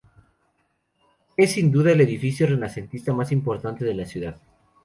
Es sin duda el edificio renacentista más importante de la ciudad.